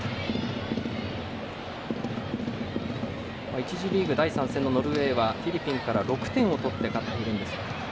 １次リーグ、第３戦のノルウェーはフィリピンから６点を取って勝っています。